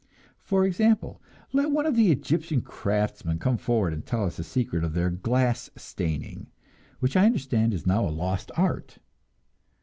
For example, let one of the Egyptian craftsmen come forward and tell us the secret of their glass staining, which I understand is now a lost art.